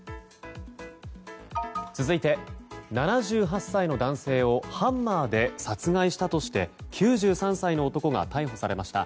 続いて、７８歳の男性をハンマーで殺害したとして９３歳の男が逮捕されました。